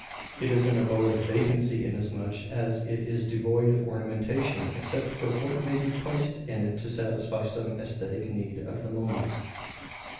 It is an Abode of Vacancy inasmuch as it is devoid of ornamentation except for what may be placed in it to satisfy some aesthetic need of the moment.